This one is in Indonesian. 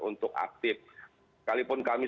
untuk aktif sekalipun kami